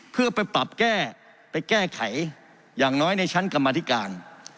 เพื่อไปปรับแก้ไปแก้ไขอย่างน้อยในชั้นกรรมธิการ